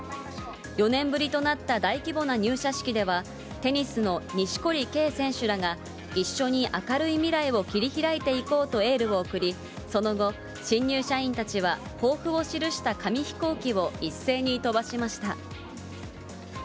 ４年ぶりとなった大規模な入社式では、テニスの錦織圭選手らが、一緒に明るい未来を切り開いていこうとエールを送り、その後、新入社員たちは抱負を記した紙飛行機を一斉に飛ばしました。